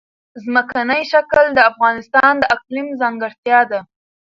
ځمکنی شکل د افغانستان د اقلیم ځانګړتیا ده.